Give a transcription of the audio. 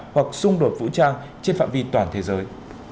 hoặc xung đột vũ trang trên phạm vi toàn thế giới